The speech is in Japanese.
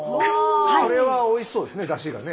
これはおいしそうですねだしがね。